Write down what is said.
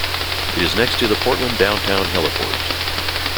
It is next to the Portland Downtown Heliport.